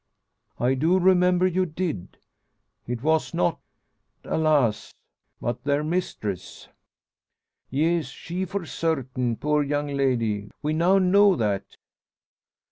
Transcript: "I do remember you did. It was not, alas! But their mistress." "Yes; she for sartin, poor young lady! We now know that."